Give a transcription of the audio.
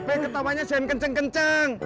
be ketamanya jangan kenceng kenceng